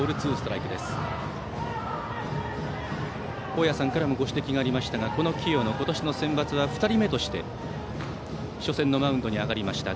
大矢さんからもご指摘がありましたがこの清野は２人目として初戦のマウンドに上がりました。